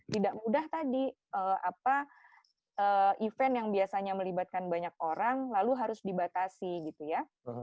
tidak mudah tadi event yang biasanya melibatkan banyak orang lalu harus dibatasi gitu ya